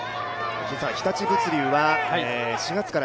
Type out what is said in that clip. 日立物流は４月から